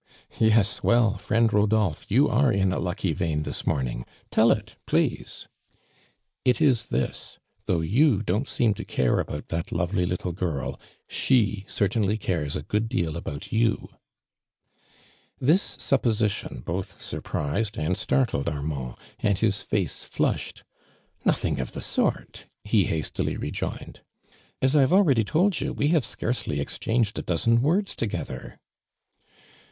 Yes. Well, friend Rodolphc, you are in a lucky vein this morning. Tell it, please !''" It is this. Though you don't seem to care about that lovely little girl, she cer tainly cares a good deal about you." This supposition both surprised and startled Armand, and his face flushed. " Nothing sf the sort!" he hastily rejoined. "As I have already told you, wc have scarcely exchanged a dozen words toge ther."